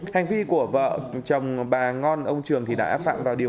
hành vi của vợ chồng bà ngon ông trường đã áp phạm vào điều một trăm linh chín